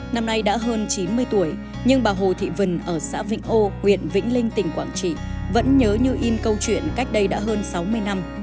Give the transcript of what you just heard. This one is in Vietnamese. năm nay đã hơn chín mươi tuổi nhưng bà hồ thị vân ở xã vĩnh âu huyện vĩnh linh tỉnh quảng trị vẫn nhớ như in câu chuyện cách đây đã hơn sáu mươi năm